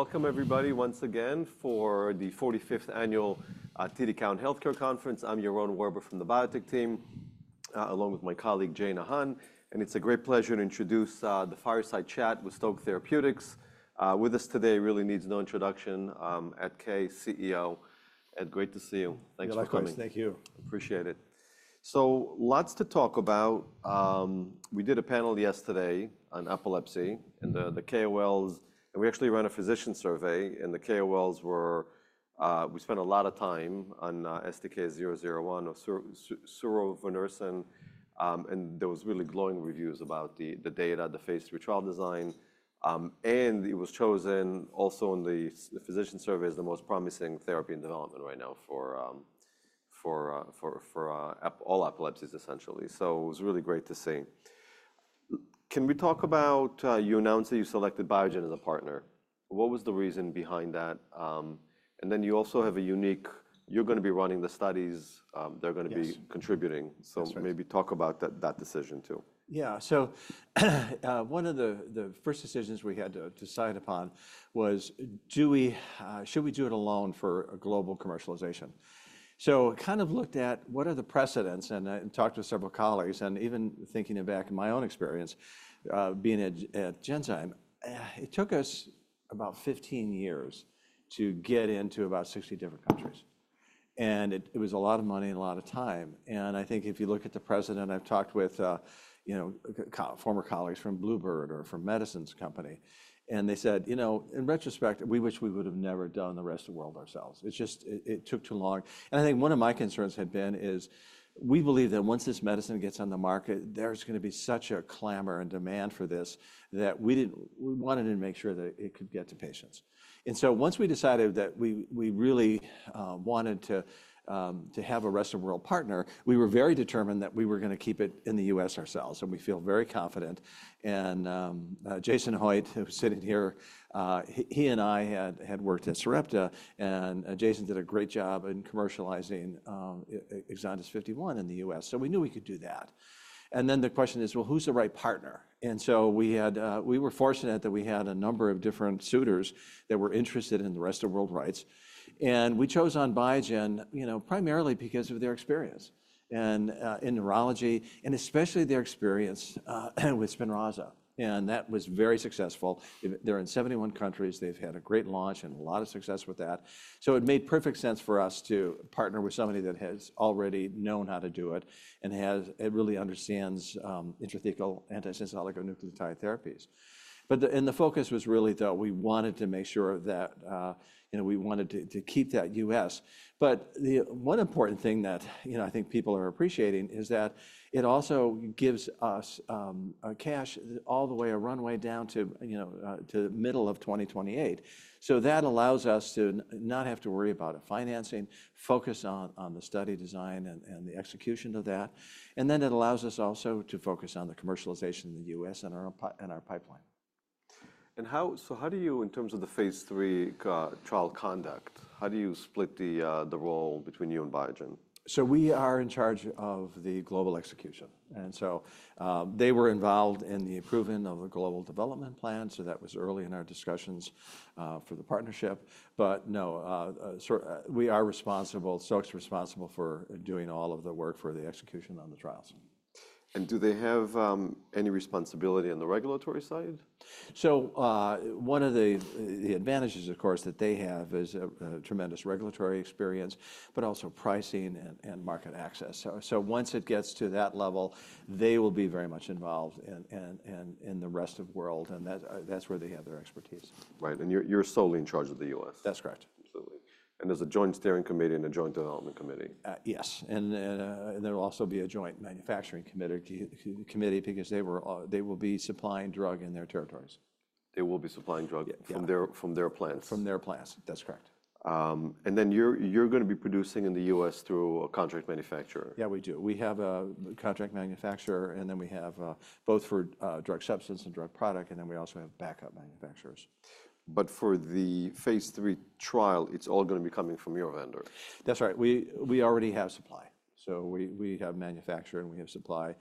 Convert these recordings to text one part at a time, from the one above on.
Welcome, everybody, once again for the 45th Annual TD Cowen Healthcare Conference. I'm Yaron Werber from the Biotech team, along with my colleague Jane Ahan. It's a great pleasure to introduce the Fireside Chat with Stoke Therapeutics. With us today, really needs no introduction, Ed Kay, CEO. Ed, great to see you. Thanks for coming. Thank you. Appreciate it. Lots to talk about. We did a panel yesterday on epilepsy and the KOLs. We actually ran a physician survey. The KOLs were we spent a lot of time on STK-001 or zorevunersen. There were really glowing reviews about the data, the phase III trial design. It was chosen also in the physician survey as the most promising therapy in development right now for all epilepsies, essentially. It was really great to see. Can we talk about you announced that you selected Biogen as a partner. What was the reason behind that? You also have a unique you're going to be running the studies. They're going to be contributing. Maybe talk about that decision, too. Yeah. One of the first decisions we had to decide upon was, should we do it alone for global commercialization? Kind of looked at what are the precedents and talked to several colleagues. Even thinking back in my own experience being at Genzyme, it took us about 15 years to get into about 60 different countries. It was a lot of money and a lot of time. I think if you look at the precedent, I have talked with former colleagues from Bluebird or from Medicine's Company. They said, you know, in retrospect, we wish we would have never done the rest of the world ourselves. It just took too long. I think one of my concerns had been is we believe that once this medicine gets on the market, there's going to be such a clamor and demand for this that we wanted to make sure that it could get to patients. Once we decided that we really wanted to have a rest of the world partner, we were very determined that we were going to keep it in the U.S. ourselves. We feel very confident. Jason Hoitt, who's sitting here, he and I had worked at Sarepta. Jason did a great job in commercializing Exondys 51 in the U.S.. We knew we could do that. The question is, who's the right partner? We were fortunate that we had a number of different suitors that were interested in the rest of the world rights. We chose Biogen primarily because of their experience in neurology, and especially their experience with Spinraza. That was very successful. They are in 71 countries. They have had a great launch and a lot of success with that. It made perfect sense for us to partner with somebody that already knows how to do it and really understands intrathecal antisense oligonucleotide therapies. The focus was really, though, we wanted to make sure that we wanted to keep that U.S., but one important thing that I think people are appreciating is that it also gives us cash all the way a runway down to the middle of 2028. That allows us to not have to worry about financing, focus on the study design and the execution of that. It allows us also to focus on the commercialization in the U.S., and our pipeline. How do you, in terms of the phase III trial conduct, how do you split the role between you and Biogen? We are in charge of the global execution. They were involved in the approval of the global development plan. That was early in our discussions for the partnership. No, we are responsible. Stoke's responsible for doing all of the work for the execution on the trials. Do they have any responsibility on the regulatory side? One of the advantages, of course, that they have is tremendous regulatory experience, but also pricing and market access. Once it gets to that level, they will be very much involved in the rest of the world. That is where they have their expertise. Right. And you're solely in charge of the U.S.? That's correct. Absolutely. There is a joint steering committee and a joint development committee? Yes. There will also be a joint manufacturing committee because they will be supplying drug in their territories. They will be supplying drug from their plants? From their plants. That's correct. You're going to be producing in the U.S., through a contract manufacturer? Yeah, we do. We have a contract manufacturer, and then we have both for drug substance and drug product. We also have backup manufacturers. For the phase III trial, it's all going to be coming from your vendor? That's right. We already have supply. We have manufacturer and we have supply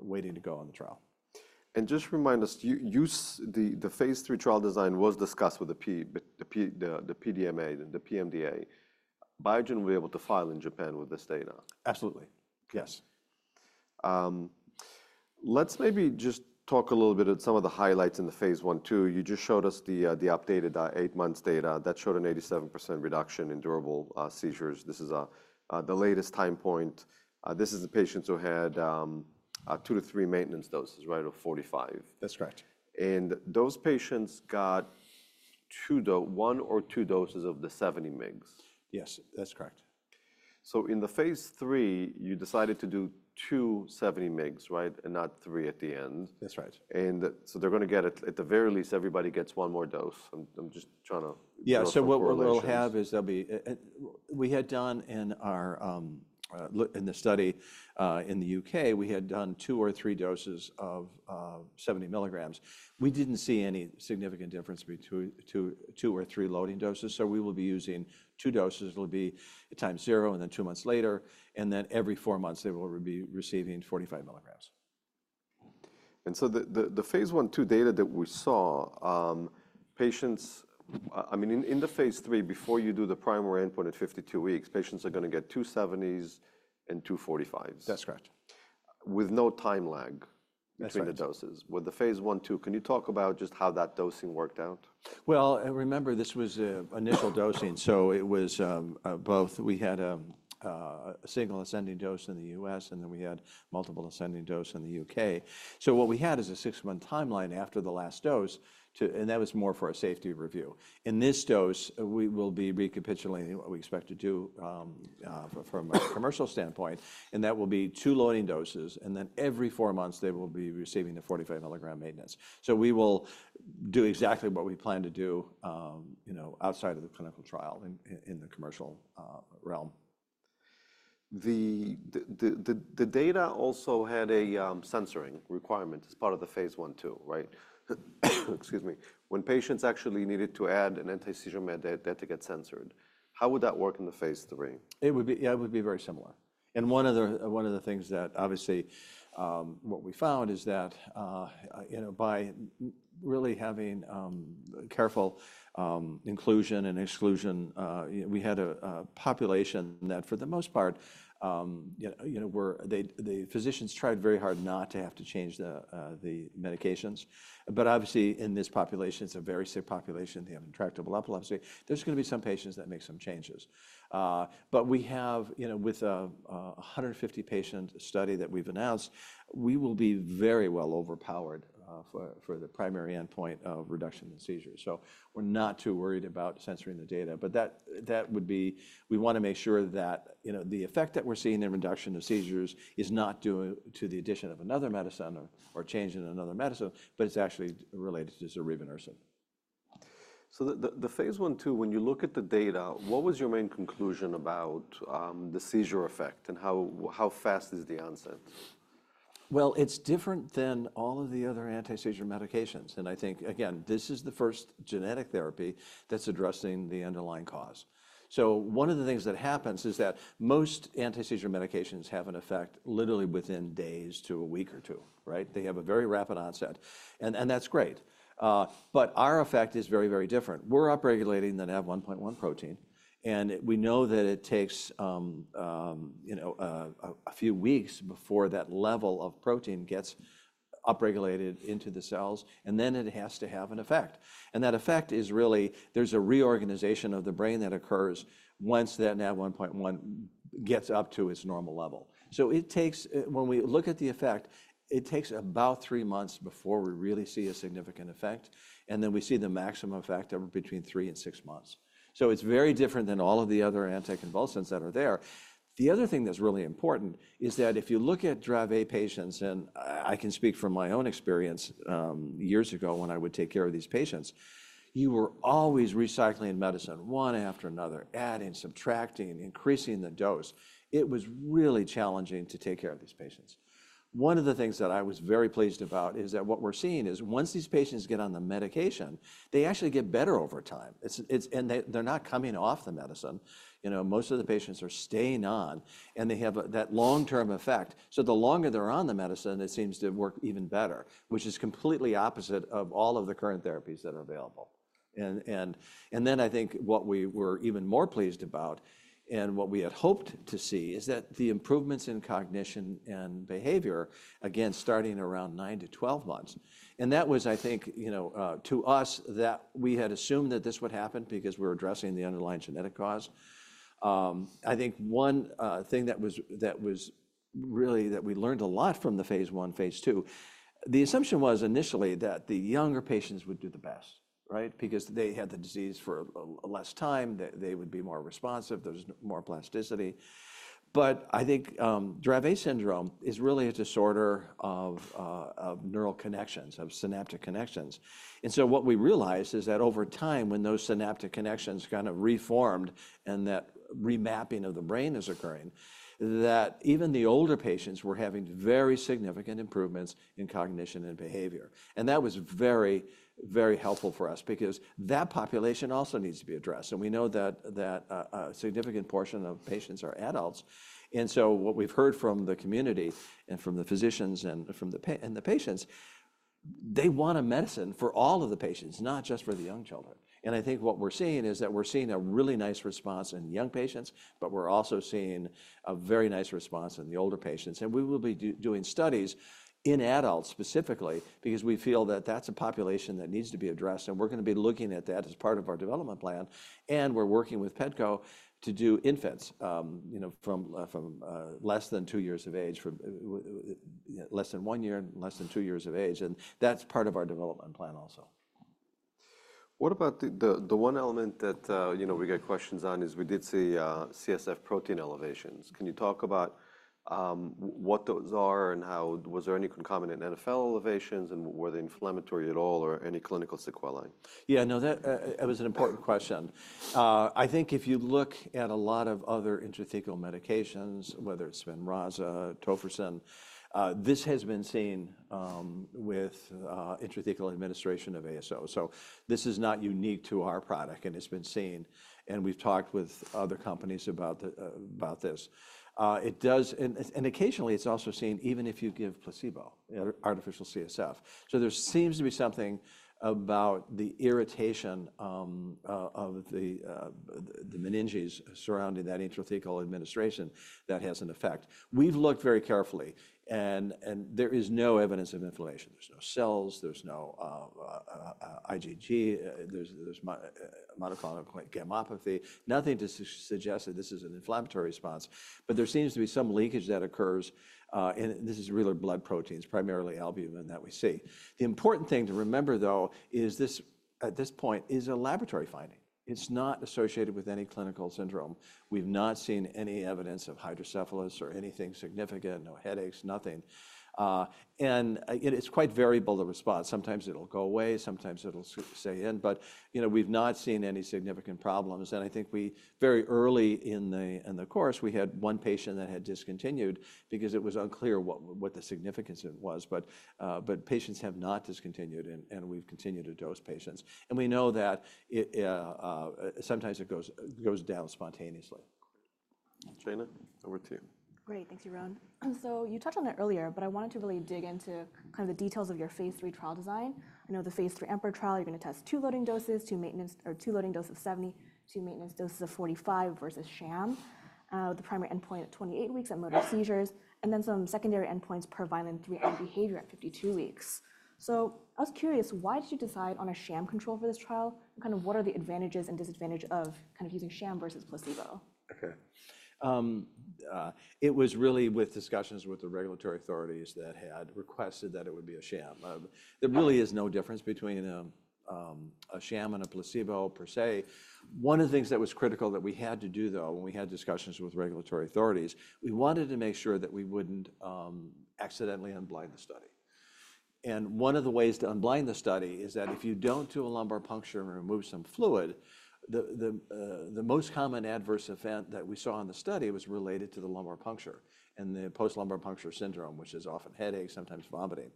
waiting to go on the trial. Just remind us, the phase III trial design was discussed with the PMDA. Biogen will be able to file in Japan with this data? Absolutely. Yes. Let's maybe just talk a little bit of some of the highlights in the phase I/II. You just showed us the updated eight months data that showed an 87% reduction in durable seizures. This is the latest time point. This is the patients who had two to three maintenance doses, right, of 45. That's correct. Those patients got one or two doses of the 70 mg? Yes, that's correct. In the phase III, you decided to do two 70 mg, right, and not three at the end? That's right. They're going to get it at the very least, everybody gets one more dose. I'm just trying to. Yeah. So what we'll have is we had done in the study in the U.K., we had done two or three doses of 70 mg. We didn't see any significant difference between two or three loading doses. So we will be using two doses. It will be times zero and then two months later. And then every four months, they will be receiving 45 mg. The phase I/II data that we saw, patients, I mean, in the phase III, before you do the primary endpoint at 52 weeks, patients are going to get two 70s and two 45s? That's correct. With no time lag between the doses. With the phase I/II, can you talk about just how that dosing worked out? Remember, this was initial dosing. It was both we had a single ascending dose in the U.S., and then we had multiple ascending doses in the U.K. What we had is a six-month timeline after the last dose. That was more for a safety review. In this dose, we will be recapitulating what we expect to do from a commercial standpoint. That will be two loading doses. Every four months, they will be receiving the 45 mg maintenance. We will do exactly what we plan to do outside of the clinical trial in the commercial realm. The data also had a censoring requirement as part of the phase I/II, right? Excuse me. When patients actually needed to add an anti-seizure med, that had to get censored. How would that work in the phase III? It would be very similar. One of the things that obviously what we found is that by really having careful inclusion and exclusion, we had a population that for the most part, the physicians tried very hard not to have to change the medications. Obviously, in this population, it's a very sick population. They have intractable epilepsy. There's going to be some patients that make some changes. We have, with a 150-patient study that we've announced, we will be very well overpowered for the primary endpoint of reduction in seizures. We're not too worried about censoring the data. That would be we want to make sure that the effect that we're seeing in reduction of seizures is not due to the addition of another medicine or changing another medicine, but it's actually related to zorevunersen. The phase I/II, when you look at the data, what was your main conclusion about the seizure effect and how fast is the onset? It's different than all of the other anti-seizure medications. I think, again, this is the first genetic therapy that's addressing the underlying cause. One of the things that happens is that most anti-seizure medications have an effect literally within days to a week or two, right? They have a very rapid onset. That's great. Our effect is very, very different. We're upregulating the NaV1.1 protein. We know that it takes a few weeks before that level of protein gets upregulated into the cells. It has to have an effect. That effect is really there's a reorganization of the brain that occurs once that NaV1.1 gets up to its normal level. When we look at the effect, it takes about three months before we really see a significant effect. We see the maximum effect over between three and six months. It is very different than all of the other anticonvulsants that are there. The other thing that is really important is that if you look at Dravet patients, and I can speak from my own experience years ago when I would take care of these patients, you were always recycling medicine one after another, adding, subtracting, increasing the dose. It was really challenging to take care of these patients. One of the things that I was very pleased about is that what we are seeing is once these patients get on the medication, they actually get better over time. They are not coming off the medicine. Most of the patients are staying on. They have that long-term effect. The longer they're on the medicine, it seems to work even better, which is completely opposite of all of the current therapies that are available. I think what we were even more pleased about and what we had hoped to see is that the improvements in cognition and behavior, again, starting around nine months-12 months. That was, I think, to us, that we had assumed that this would happen because we were addressing the underlying genetic cause. I think one thing that was really that we learned a lot from the phase I/phase II, the assumption was initially that the younger patients would do the best, right? Because they had the disease for less time. They would be more responsive. There's more plasticity. I think Dravet syndrome is really a disorder of neural connections, of synaptic connections. What we realized is that over time, when those synaptic connections kind of reformed and that remapping of the brain is occurring, even the older patients were having very significant improvements in cognition and behavior. That was very, very helpful for us because that population also needs to be addressed. We know that a significant portion of patients are adults. What we've heard from the community and from the physicians and from the patients, they want a medicine for all of the patients, not just for the young children. I think what we're seeing is that we're seeing a really nice response in young patients, but we're also seeing a very nice response in the older patients. We will be doing studies in adults specifically because we feel that that's a population that needs to be addressed. We are going to be looking at that as part of our development plan. We are working with Pedco to do infants from less than one year, less than two years of age. That is part of our development plan also. What about the one element that we got questions on is we did see CSF protein elevations. Can you talk about what those are and how was there any concomitant NfL elevations? Were they inflammatory at all or any clinical sequelae? Yeah, no, that was an important question. I think if you look at a lot of other intrathecal medications, whether it's Spinraza, tofersen, this has been seen with intrathecal administration of ASO. This is not unique to our product. It has been seen. We have talked with other companies about this. Occasionally, it is also seen even if you give placebo, artificial CSF. There seems to be something about the irritation of the meninges surrounding that intrathecal administration that has an effect. We have looked very carefully. There is no evidence of inflammation. There are no cells. There is no IgG. There is monoclonal gammopathy. Nothing to suggest that this is an inflammatory response. There seems to be some leakage that occurs. This is really blood proteins, primarily albumin that we see. The important thing to remember, though, is this at this point is a laboratory finding. It's not associated with any clinical syndrome. We've not seen any evidence of hydrocephalus or anything significant. No headaches, nothing. It's quite variable, the response. Sometimes it'll go away. Sometimes it'll stay in. We've not seen any significant problems. I think very early in the course, we had one patient that had discontinued because it was unclear what the significance was. Patients have not discontinued. We've continued to dose patients. We know that sometimes it goes down spontaneously. Shana, over to you. Great. Thanks, Yaron. You touched on it earlier, but I wanted to really dig into kind of the details of your phase III trial design. You know the phase III EMPEROR trial. You're going to test two loading doses, two maintenance, or two loading doses of 70, two maintenance doses of 45 versus sham with the primary endpoint at 28 weeks on motor seizures and then some secondary endpoints per Vineland-3 and behavior at 52 weeks. I was curious, why did you decide on a sham control for this trial? What are the advantages and disadvantages of kind of using sham versus placebo? OK. It was really with discussions with the regulatory authorities that had requested that it would be a sham. There really is no difference between a sham and a placebo per se. One of the things that was critical that we had to do, though, when we had discussions with regulatory authorities, we wanted to make sure that we wouldn't accidentally unblind the study. One of the ways to unblind the study is that if you don't do a lumbar puncture and remove some fluid, the most common adverse event that we saw in the study was related to the lumbar puncture and the post-lumbar puncture syndrome, which is often headache, sometimes vomiting.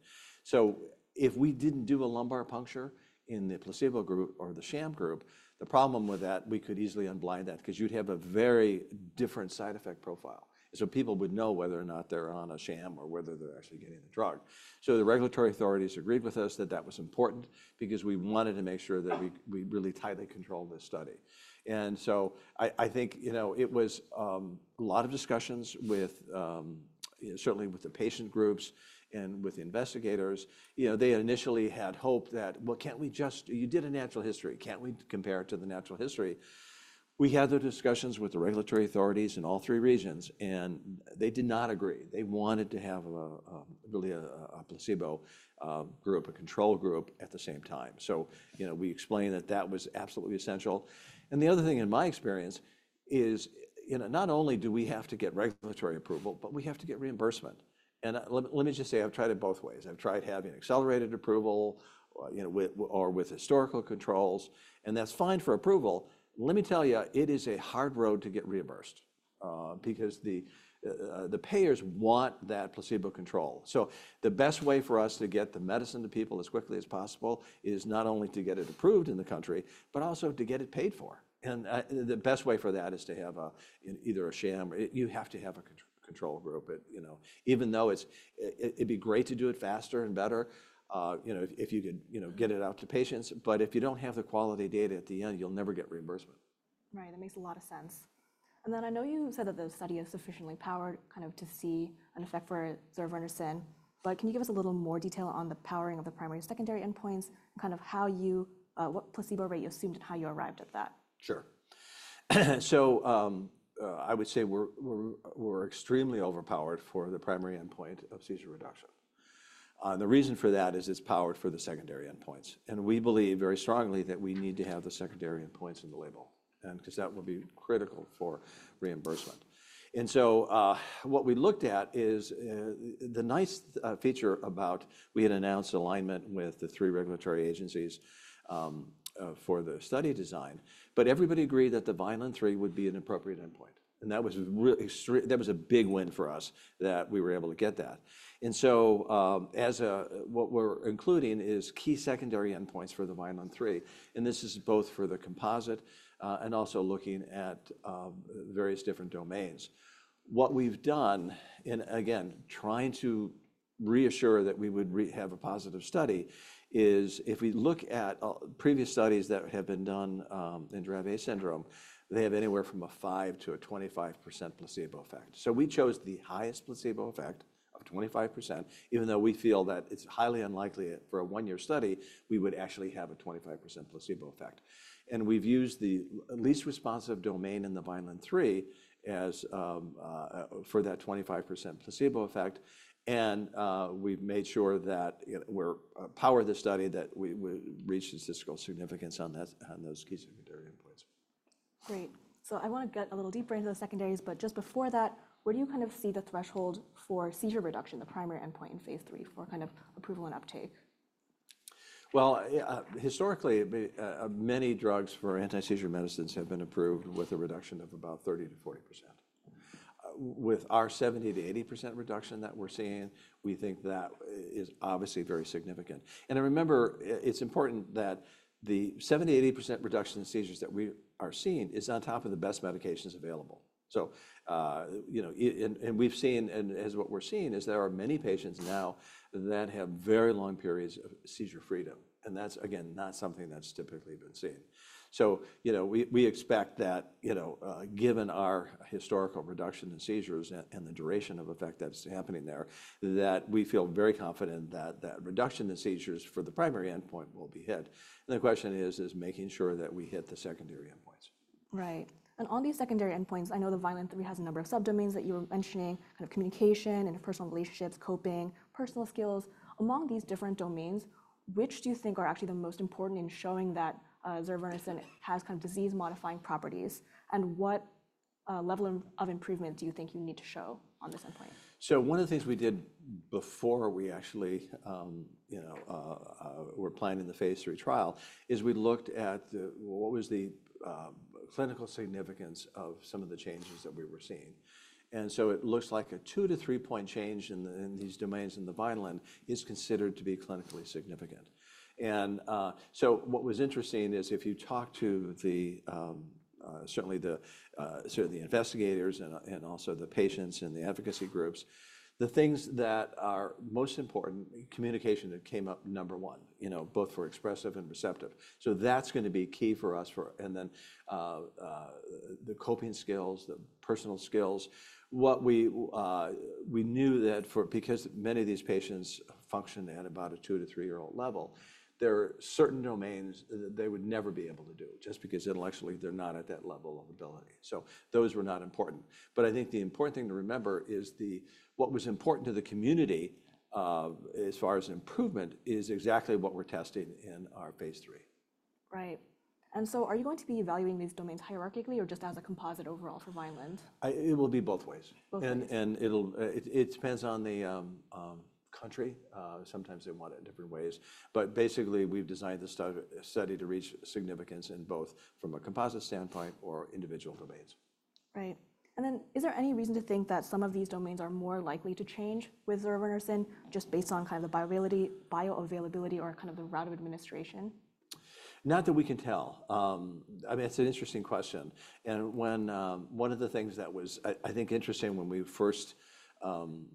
If we didn't do a lumbar puncture in the placebo group or the sham group, the problem with that, we could easily unblind that because you'd have a very different side effect profile. People would know whether or not they're on a sham or whether they're actually getting the drug. The regulatory authorities agreed with us that that was important because we wanted to make sure that we really tightly controlled this study. I think it was a lot of discussions certainly with the patient groups and with investigators. They initially had hope that, well, can't we just—you did a natural history. Can't we compare it to the natural history? We had the discussions with the regulatory authorities in all three regions. They did not agree. They wanted to have really a placebo group, a control group at the same time. We explained that that was absolutely essential. The other thing in my experience is not only do we have to get regulatory approval, but we have to get reimbursement. Let me just say, I've tried it both ways. I've tried having accelerated approval or with historical controls. That's fine for approval. Let me tell you, it is a hard road to get reimbursed because the payers want that placebo control. The best way for us to get the medicine to people as quickly as possible is not only to get it approved in the country, but also to get it paid for. The best way for that is to have either a sham. You have to have a control group. Even though it'd be great to do it faster and better if you could get it out to patients, if you don't have the quality data at the end, you'll never get reimbursement. Right. That makes a lot of sense. I know you said that the study is sufficiently powered kind of to see an effect for zorevunersen. Can you give us a little more detail on the powering of the primary and secondary endpoints and kind of what placebo rate you assumed and how you arrived at that? Sure. I would say we're extremely overpowered for the primary endpoint of seizure reduction. The reason for that is it's powered for the secondary endpoints. We believe very strongly that we need to have the secondary endpoints in the label because that will be critical for reimbursement. What we looked at is the nice feature about we had announced alignment with the three regulatory agencies for the study design. Everybody agreed that the Vineland-3 would be an appropriate endpoint. That was a big win for us that we were able to get that. What we're including is key secondary endpoints for the Vineland-3. This is both for the composite and also looking at various different domains. What we've done, and again, trying to reassure that we would have a positive study, is if we look at previous studies that have been done in Dravet syndrome, they have anywhere from a 5%-25% placebo effect. We chose the highest placebo effect of 25%, even though we feel that it's highly unlikely for a one-year study we would actually have a 25% placebo effect. We've used the least responsive domain in the Vineland-3 for that 25% placebo effect. We've made sure that we're powered the study that we reached statistical significance on those key secondary endpoints. Great. I want to get a little deeper into the secondaries. Just before that, where do you kind of see the threshold for seizure reduction, the primary endpoint in phase III for kind of approval and uptake? Historically, many drugs for anti-seizure medicines have been approved with a reduction of about 30%-40%. With our 70%-80% reduction that we're seeing, we think that is obviously very significant. I remember it's important that the 70%-80% reduction in seizures that we are seeing is on top of the best medications available. We've seen, and as what we're seeing is there are many patients now that have very long periods of seizure freedom. That's, again, not something that's typically been seen. We expect that given our historical reduction in seizures and the duration of effect that's happening there, we feel very confident that that reduction in seizures for the primary endpoint will be hit. The question is, is making sure that we hit the secondary endpoints. Right. On these secondary endpoints, I know the Vineland-3 has a number of subdomains that you were mentioning, kind of communication and personal relationships, coping, personal skills. Among these different domains, which do you think are actually the most important in showing that zorevunersen has kind of disease-modifying properties? What level of improvement do you think you need to show on this endpoint? One of the things we did before we actually were planning the phase III trial is we looked at what was the clinical significance of some of the changes that we were seeing. It looks like a two to three-point change in these domains in the Vineland is considered to be clinically significant. What was interesting is if you talk to certainly the investigators and also the patients and the advocacy groups, the things that are most important, communication that came up number one, both for expressive and receptive. That is going to be key for us. The coping skills, the personal skills. We knew that because many of these patients function at about a two to three-year-old level, there are certain domains that they would never be able to do just because intellectually they are not at that level of ability. I think the important thing to remember is what was important to the community as far as improvement is exactly what we're testing in our phase III. Right. Are you going to be evaluating these domains hierarchically or just as a composite overall for Vineland? It will be both ways. It depends on the country. Sometimes they want it different ways. Basically, we've designed the study to reach significance in both from a composite standpoint or individual domains. Right. Is there any reason to think that some of these domains are more likely to change with zorevunersen just based on kind of the bioavailability or kind of the route of administration? Not that we can tell. I mean, it's an interesting question. One of the things that was, I think, interesting when we first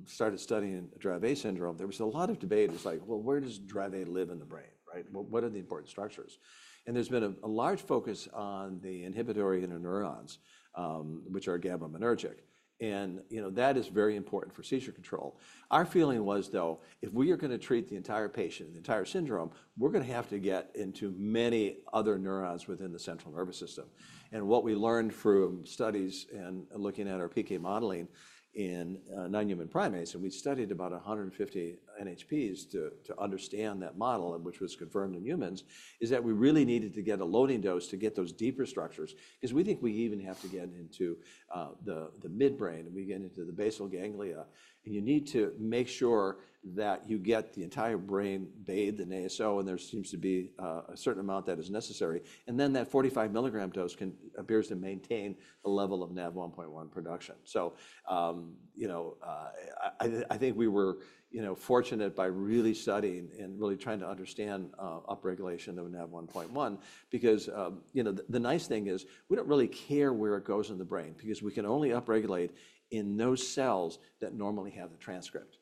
started studying Dravet syndrome, there was a lot of debate. It was like, well, where does Dravet live in the brain? What are the important structures? There's been a large focus on the inhibitory interneurons, which are GABAergic. That is very important for seizure control. Our feeling was, though, if we are going to treat the entire patient, the entire syndrome, we're going to have to get into many other neurons within the central nervous system. What we learned from studies and looking at our PK modeling in non-human primates, and we studied about 150 NHPs to understand that model, which was confirmed in humans, is that we really needed to get a loading dose to get those deeper structures because we think we even have to get into the midbrain. We get into the basal ganglia. You need to make sure that you get the entire brain bathed in ASO. There seems to be a certain amount that is necessary. That 45 mg dose appears to maintain a level of NaV1.1 production. I think we were fortunate by really studying and really trying to understand upregulation of NaV1.1 because the nice thing is we do not really care where it goes in the brain because we can only upregulate in those cells that normally have the transcript.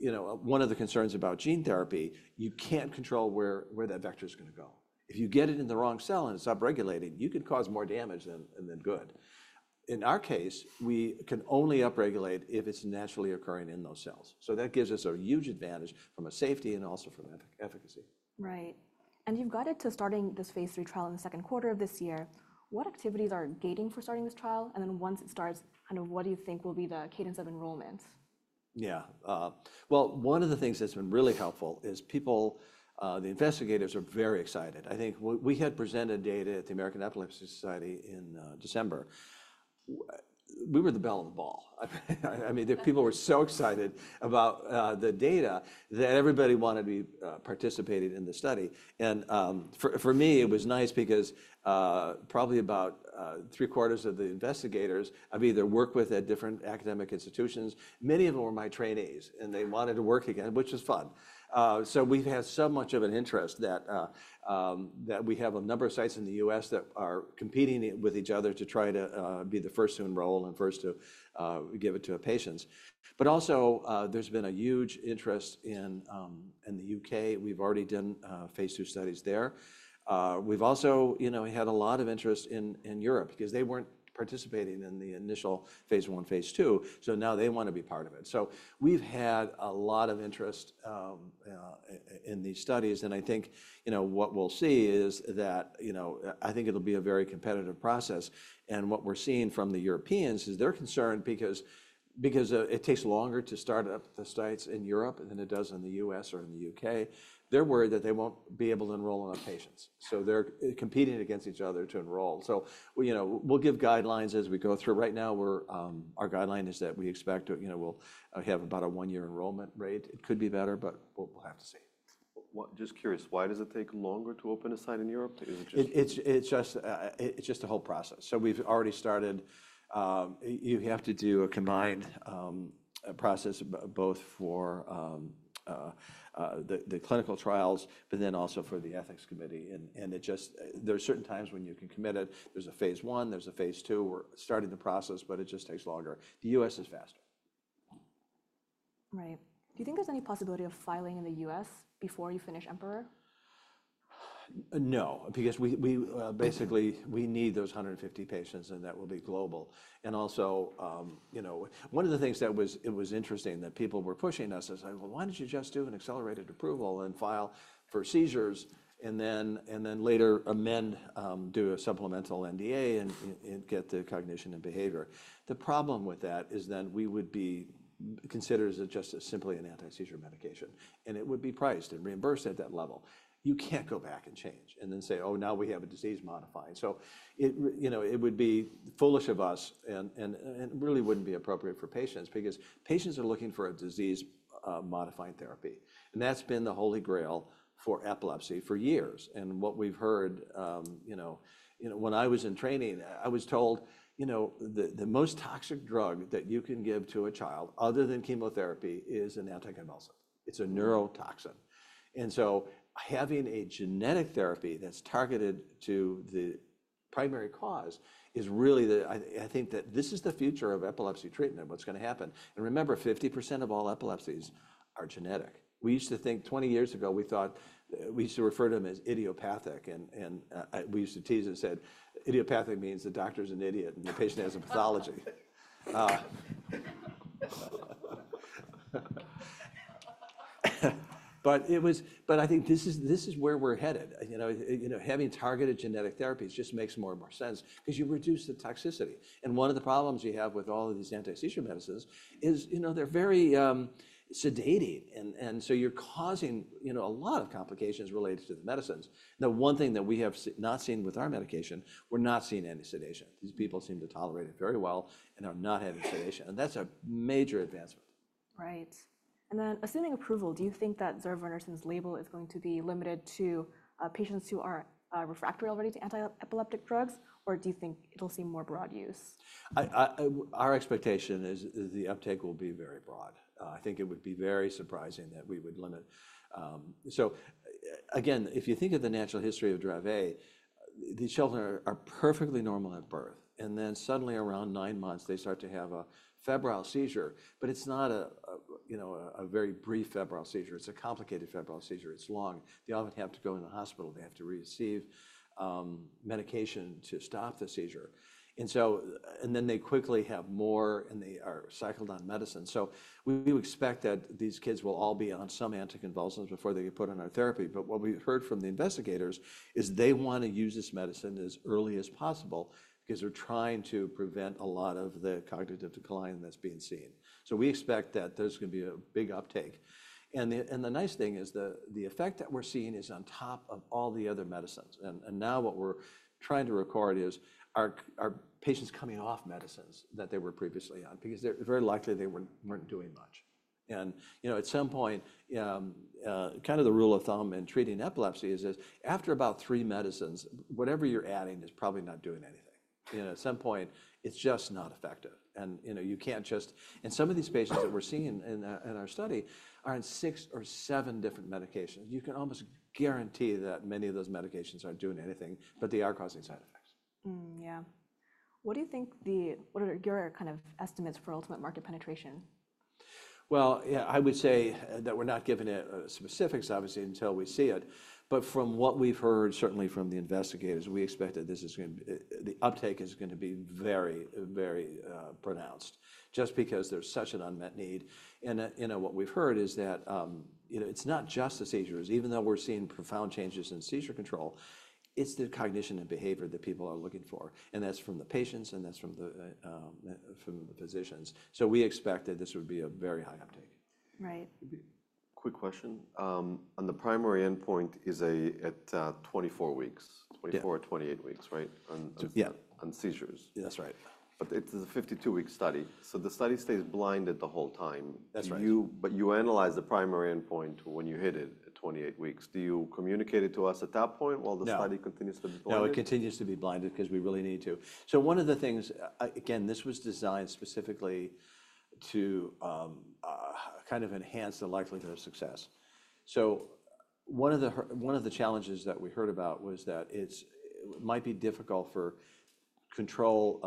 One of the concerns about gene therapy, you can't control where that vector is going to go. If you get it in the wrong cell and it's upregulating, you can cause more damage than good. In our case, we can only upregulate if it's naturally occurring in those cells. That gives us a huge advantage from a safety and also from efficacy. Right. You have it to starting this phase III trial in the second quarter of this year. What activities are gating for starting this trial? Once it starts, what do you think will be the cadence of enrollments? Yeah. One of the things that's been really helpful is people, the investigators, are very excited. I think we had presented data at the American Epilepsy Society in December. We were the bell of the ball. I mean, people were so excited about the data that everybody wanted to be participating in the study. For me, it was nice because probably about three quarters of the investigators I've either worked with at different academic institutions, many of them were my trainees, and they wanted to work again, which was fun. We have had so much of an interest that we have a number of sites in the U.S., that are competing with each other to try to be the first to enroll and first to give it to patients. There has also been a huge interest in the U.K. We have already done phase II studies there. We've also had a lot of interest in Europe because they weren't participating in the initial phase I, phase II. Now they want to be part of it. We've had a lot of interest in these studies. I think what we'll see is that it'll be a very competitive process. What we're seeing from the Europeans is they're concerned because it takes longer to start up the sites in Europe than it does in the U.S., or in the U.K. They're worried that they won't be able to enroll enough patients. They're competing against each other to enroll. We'll give guidelines as we go through. Right now, our guideline is that we expect we'll have about a one-year enrollment rate. It could be better, but we'll have to see. Just curious, why does it take longer to open a site in Europe? It's just a whole process. We've already started. You have to do a combined process both for the clinical trials, but then also for the ethics committee. There are certain times when you can commit it. There's a phase I. There's a phase II. We're starting the process, but it just takes longer. The U.S., is faster. Right. Do you think there's any possibility of filing in the U.S., before you finish EMPEROR? No, because basically we need those 150 patients, and that will be global. Also, one of the things that was interesting that people were pushing us is, well, why don't you just do an accelerated approval and file for seizures and then later amend, do a supplemental NDA and get the cognition and behavior? The problem with that is then we would be considered as just simply an anti-seizure medication. It would be priced and reimbursed at that level. You can't go back and change and then say, oh, now we have a disease modifying. It would be foolish of us and really wouldn't be appropriate for patients because patients are looking for a disease-modifying therapy. That's been the holy grail for epilepsy for years. What we've heard, when I was in training, I was told the most toxic drug that you can give to a child other than chemotherapy is an anticonvulsant. It's a neurotoxin. Having a genetic therapy that's targeted to the primary cause is really, I think, that this is the future of epilepsy treatment and what's going to happen. Remember, 50% of all epilepsies are genetic. We used to think 20 years ago, we thought we used to refer to them as idiopathic. We used to tease and said, idiopathic means the doctor's an idiot and the patient has a pathology. I think this is where we're headed. Having targeted genetic therapies just makes more and more sense because you reduce the toxicity. One of the problems you have with all of these anti-seizure medicines is they're very sedating. You're causing a lot of complications related to the medicines. One thing that we have not seen with our medication, we're not seeing any sedation. These people seem to tolerate it very well and are not having sedation. That's a major advancement. Right. And then assuming approval, do you think that zorevunersen's label is going to be limited to patients who are refractory already to anti-seizure drugs, or do you think it'll see more broad use? Our expectation is the uptake will be very broad. I think it would be very surprising that we would limit. If you think of the natural history of Dravet, these children are perfectly normal at birth. They suddenly around nine months start to have a febrile seizure. It is not a very brief febrile seizure. It is a complicated febrile seizure. It is long. They often have to go in the hospital. They have to receive medication to stop the seizure. They quickly have more, and they are cycled on medicine. We do expect that these kids will all be on some anticonvulsants before they get put on our therapy. What we have heard from the investigators is they want to use this medicine as early as possible because they are trying to prevent a lot of the cognitive decline that is being seen. We expect that there's going to be a big uptake. The nice thing is the effect that we're seeing is on top of all the other medicines. What we're trying to record is are patients coming off medicines that they were previously on because very likely they weren't doing much. At some point, kind of the rule of thumb in treating epilepsy is after about three medicines, whatever you're adding is probably not doing anything. At some point, it's just not effective. You can't just, and some of these patients that we're seeing in our study are on six or seven different medications. You can almost guarantee that many of those medications aren't doing anything, but they are causing side effects. Yeah. What do you think your kind of estimates for ultimate market penetration? Yeah, I would say that we're not giving specifics, obviously, until we see it. But from what we've heard, certainly from the investigators, we expect that the uptake is going to be very, very pronounced just because there's such an unmet need. What we've heard is that it's not just the seizures. Even though we're seeing profound changes in seizure control, it's the cognition and behavior that people are looking for. That's from the patients, and that's from the physicians. We expect that this would be a very high uptake. Right. Quick question. The primary endpoint is at 24 weeks, 24 or 28 weeks, right, on seizures. That's right. It is a 52-week study. The study stays blinded the whole time. You analyze the primary endpoint when you hit it at 28 weeks. Do you communicate it to us at that point while the study continues to be blinded? No, it continues to be blinded because we really need to. One of the things, again, this was designed specifically to kind of enhance the likelihood of success. One of the challenges that we heard about was that it might be difficult for control,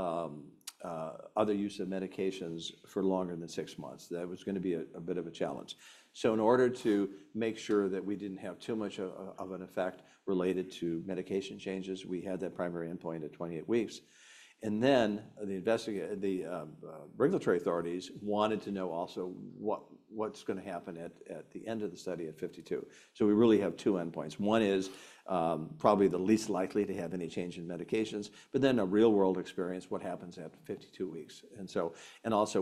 other use of medications for longer than six months. That was going to be a bit of a challenge. In order to make sure that we did not have too much of an effect related to medication changes, we had that primary endpoint at 28 weeks. The regulatory authorities wanted to know also what is going to happen at the end of the study at 52. We really have two endpoints. One is probably the least likely to have any change in medications, but then a real-world experience, what happens after 52 weeks.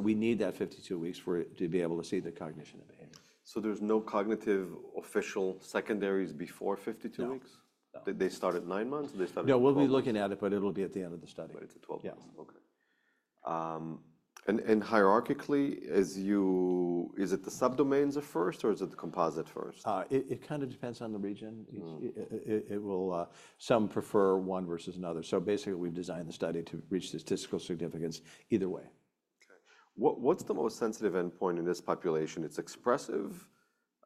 We need that 52 weeks to be able to see the cognition and behavior. There's no cognitive official secondaries before 52 weeks? No. They start at nine months? No, we'll be looking at it, but it'll be at the end of the study. It is at 12 months. Yes. Okay. Hierarchically, is it the subdomains at first, or is it the composite first? It kind of depends on the region. Some prefer one versus another. Basically, we've designed the study to reach statistical significance either way. Okay. What's the most sensitive endpoint in this population? It's expressive.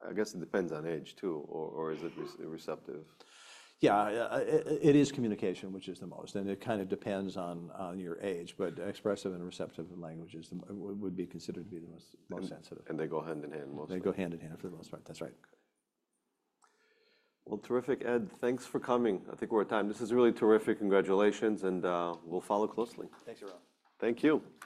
I guess it depends on age, too, or is it receptive? Yeah, it is communication, which is the most. It kind of depends on your age. Expressive and receptive language would be considered to be the most sensitive. They go hand in hand mostly. They go hand in hand for the most part. That's right. Terrific. Ed, thanks for coming. I think we're at time. This is really terrific. Congratulations. We'll follow closely. Thanks, everyone. Thank you.